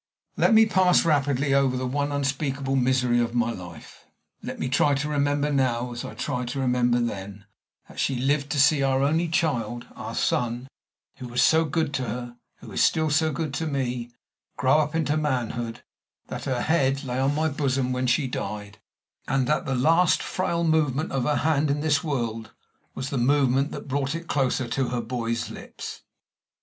Let me pass rapidly over the one unspeakable misery of my life; let me try to remember now, as I tried to remember then, that she lived to see our only child our son, who was so good to her, who is still so good to me grow up to manhood; that her head lay on my bosom when she died; and that the last frail movement of her hand in this world was the movement that brought it closer to her boy's lips.